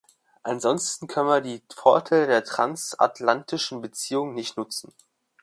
Ansonsten können wir die Vorteile der transatlantischen Beziehungen nicht nutzen.